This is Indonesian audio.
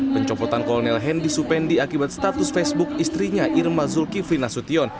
pencopotan kolonel hendy supendi akibat status facebook istrinya irma zulkifli nasution